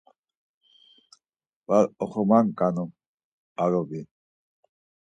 Var oxomanǩanu arovi.